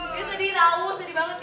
iya sedih raul sedih banget ya